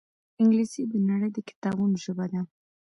انګلیسي د نړۍ د کتابونو ژبه ده